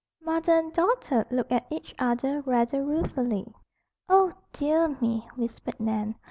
Mother and daughter looked at each other rather ruefully. "Oh, dear me!" whispered Nan.